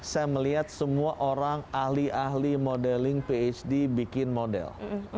saya melihat semua orang ahli ahli modeling phd bikin model